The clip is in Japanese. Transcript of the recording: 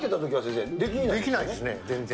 できないですね、全然。